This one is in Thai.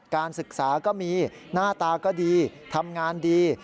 การศึกษาก็มีหน้าตาก็ดีทำงานดี